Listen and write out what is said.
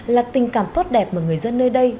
là tình cảm tốt đẹp mà người dân nơi đây